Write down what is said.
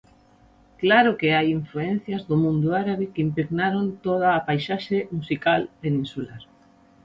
Claro que hai influencias do mundo árabe que impregnaron toda a paisaxe musical peninsular.